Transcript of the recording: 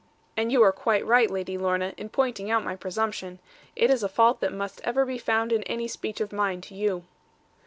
'And you are quite right, Lady Lorna, in pointing out my presumption. It is a fault that must ever be found in any speech of mine to you.'